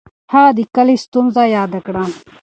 هغه د کلي ستونزه یاده کړه.